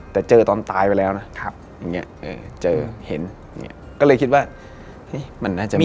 แต่เจอตอนตายไปแล้วนะเจอเห็นก็เลยคิดว่ามันน่าจะมี